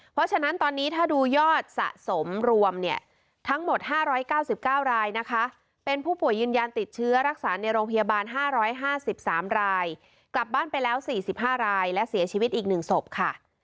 เพราะฉะนั้นตอนนี้ถ้าดูยอดสะสมรวมเนี่ยทั้งหมด๕๙๙รายนะคะเป็นผู้ป่วยยืนยันติดเชื้อรักษาในโรงพยาบาล๕๕๓รายกลับบ้านไปแล้ว๔๕รายและเสียชีวิตอีก๑ศพค่ะ